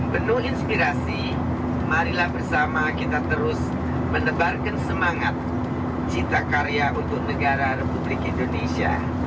penuh inspirasi marilah bersama kita terus menebarkan semangat cita karya untuk negara republik indonesia